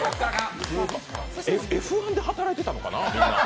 Ｆ１で働いてたのかな。